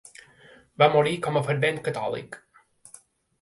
Va morir com a fervent catòlic.